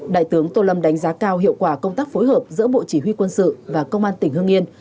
đại tướng tô lâm đánh giá cao hiệu quả công tác phối hợp giữa bộ chỉ huy quân sự và công an tỉnh hương yên